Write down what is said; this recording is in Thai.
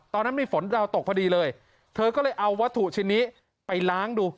ตอนนั้นมีฝนดาวตกพอดีเลยเธอก็เลยเอาวัตถุชิ้นนี้ไปล้างดู